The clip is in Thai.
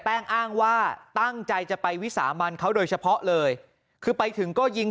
อ้างว่าตั้งใจจะไปวิสามันเขาโดยเฉพาะเลยคือไปถึงก็ยิง